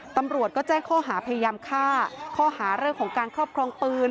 ตำรวจก็แจ้งข้อหาพยายามฆ่าข้อหาเรื่องของการครอบครองปืน